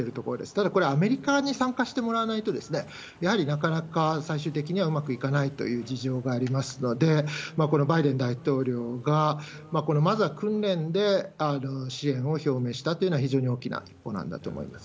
ただ、これ、アメリカに参加してもらわないと、やはりなかなか最終的にはうまくいかないという事情がありますので、このバイデン大統領が、まずは訓練で支援を表明したというのは、非常に大きな一歩なんだと思います。